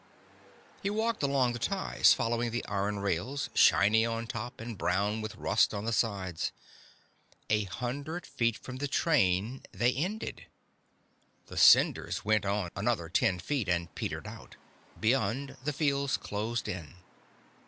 He walked along the ties, following the iron rails, shiny on top, and brown with rust on the sides. A hundred feet from the train they ended. The cinders went on another ten feet and petered out. Beyond, the fields closed in.